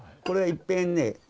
これはいっぺんね